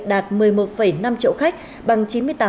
đạt một mươi một năm triệu khách bằng chín mươi tám